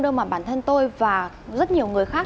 nhưng mà bản thân tôi và rất nhiều người khác